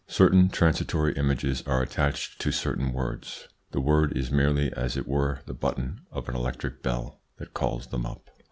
Certain transitory images are attached to certain words: the word is merely as it were the button of an electric bell that calls them up.